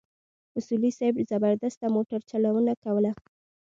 اصولي صیب زبردسته موټرچلونه کوله.